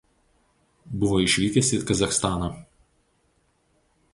Buvo išvykęs į Kazachstaną.